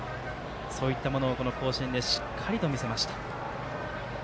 そういったものを甲子園でしっかりと見せました。